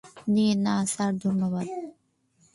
নে, না, স্যার, ধন্যবাদ!